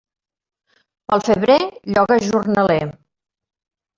Pel febrer lloga jornaler.